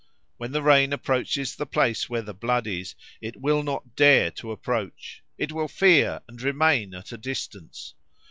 When the rain approaches the place where the blood is, it will not dare to approach. It will fear and remain at a distance.